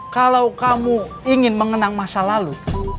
kalau kamu ingin mengenang masa lalu